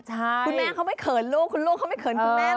ใช่คุณแม่เขาไม่เขินลูกเขาไม่เขินคุณแม่หรอก